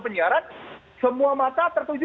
penyiaran semua mata tertuju